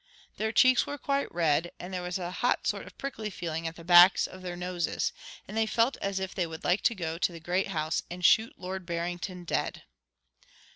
Their cheeks were quite red, and there was a hot sort of prickly feeling at the backs of their noses, and they felt as if they would like to go to the great house and shoot Lord Barrington dead.